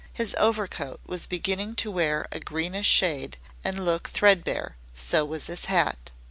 His overcoat was beginning to wear a greenish shade and look threadbare, so was his hat.